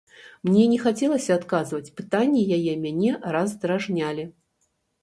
Мне не хацелася адказваць, пытанні яе мяне раздражнялі.